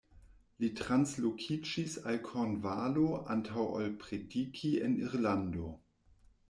Li translokiĝis al Kornvalo antaŭ ol prediki en Irlando.